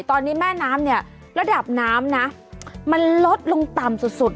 ตอนนี้แม่น้ำเนี่ยระดับน้ำนะมันลดลงต่ำสุดสุด